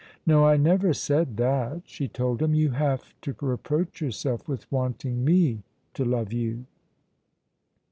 "No, I never said that," she told him. "You have to reproach yourself with wanting me to love you."